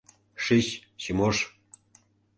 — Шич, Чимош.